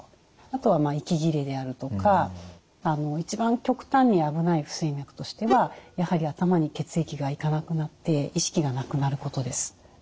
あとは息切れであるとか一番極端に危ない不整脈としてはやはり頭に血液が行かなくなって意識がなくなることです。